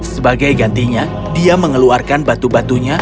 sebagai gantinya dia mengeluarkan batu batunya